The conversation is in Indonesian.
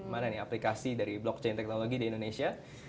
mana nih aplikasi dari blockchain teknologi di indonesia